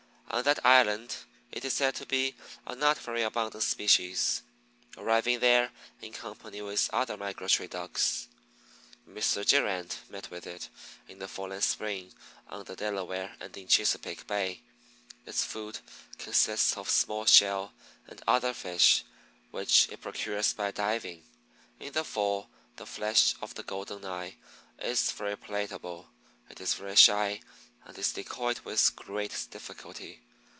On that island it is said to be a not very abundant species, arriving there in company with other migratory Ducks. Mr. Girand met with it in the fall and spring on the Delaware and in Chesapeake bay. Its food consists of small Shell and other Fish, which it procures by diving. In the fall the flesh of the Golden eye is very palatable. It is very shy and is decoyed with great difficulty.